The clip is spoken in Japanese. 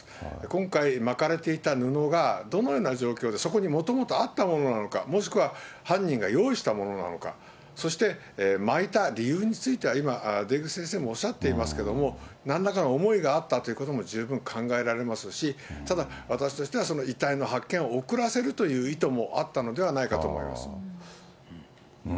今回、巻かれていた布がどのような状況で、そこにもともとあったものなのか、もしくは犯人が用意したものなのか、そして巻いた理由については今、出口先生もおっしゃっていますけれども、なんらかの思いがあったということも十分考えられますし、ただ、私としては遺体の発見を遅らせるという意図もあったのではないかと思います。